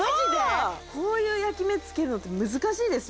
こういう焼き目つけるのって難しいですよ